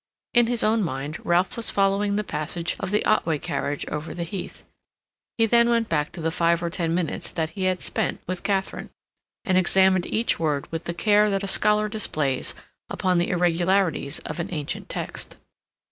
In his own mind Ralph was following the passage of the Otway carriage over the heath; he then went back to the five or ten minutes that he had spent with Katharine, and examined each word with the care that a scholar displays upon the irregularities of an ancient text.